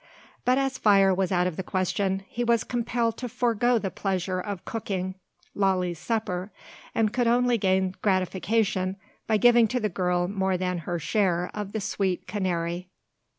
But as fire was out of the question, he was compelled to forego the pleasure of cooking Lalee's supper; and could only gain gratification by giving to the girl more than her share of the sweet Canary.